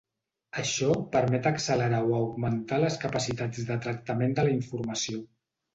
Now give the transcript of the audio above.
Això permet accelerar o augmentar les capacitats de tractament de la informació.